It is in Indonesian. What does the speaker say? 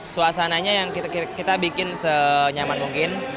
suasananya yang kita bikin senyaman mungkin